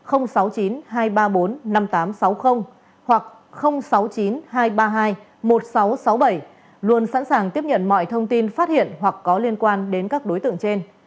hoặc sáu mươi chín hai trăm ba mươi hai một nghìn sáu trăm sáu mươi bảy luôn sẵn sàng tiếp nhận mọi thông tin phát hiện hoặc có liên quan đến các đối tượng trên